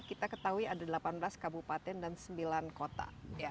kita ketahui ada delapan belas kabupaten dan sembilan kota